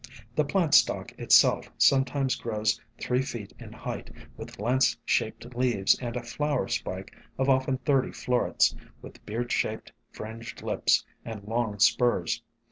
The plant stalk itself sometimes grows three feet in height, with lance shaped leaves and a flower spike of often thirty florets with beard shaped, fringed lips and long spurs.